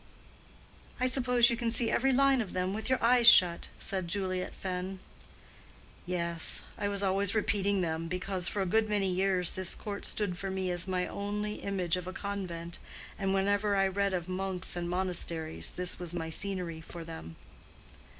"I suppose you can see every line of them with your eyes shut," said Juliet Fenn. "Yes. I was always repeating them, because for a good many years this court stood for me as my only image of a convent, and whenever I read of monks and monasteries, this was my scenery for them."